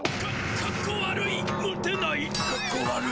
かっこ悪い。